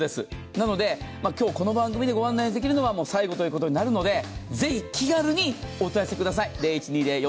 なので、今日この番組でご案内できるのは最後ということになるのでぜひ気軽にお問い合わせください。